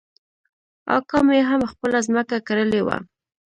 اکا مې هم خپله ځمکه کرلې وه.